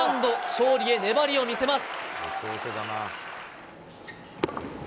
勝利へ粘りを見せます。